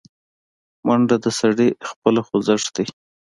منډه د سړي خپله خوځښت ده